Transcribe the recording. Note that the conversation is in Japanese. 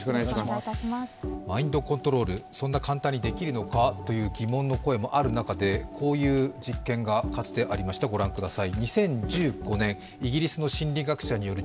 マインドコントロール、そんな簡単にできるのかという疑問の声もある中で、こういう実験がかつてありました、ご覧ください。